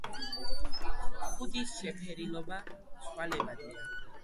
ქუდის შეფერილობა ცვალებადია.